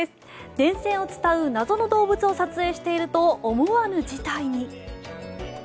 電線を伝う謎の動物を撮影していると思わぬ事態に。